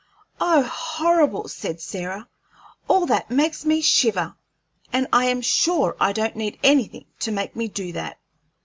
"Oh, horrible!" said Sarah. "All that makes me shiver, and I am sure I don't need anything to make me do that.